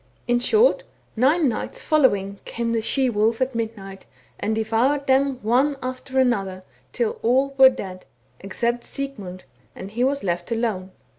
In short, nine nights following came the same she wolf at midnight, and devoured them one after another till all were dead, except Sigmund, and he was left alone.